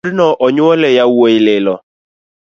Odno onyuole yawuoi lilo